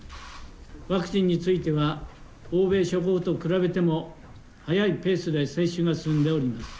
ワクチンについては欧米諸国と比べても速いペースで接種が進んでおります。